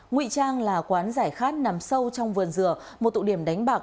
nguy trang là quán giải khát nằm sâu trong vườn dừa một tụ điểm đánh bạc